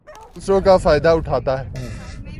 دوسروں کا فائدہ اٹھاتا ہوں